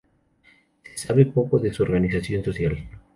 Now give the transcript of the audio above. Se sabe poco de su organización social.